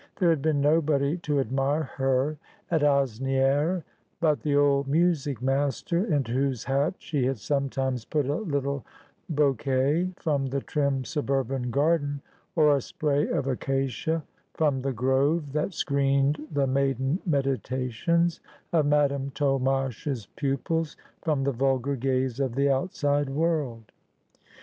There had been nobody to admire her at Asnieres but the old music master, into whose hat she had sometimes put a little bouquet from the trim suburban garden, or a spray of acacia from the grove that screened the maiden meditations of Madame Tolmache's pupils from the vulgar gaze of the outside world.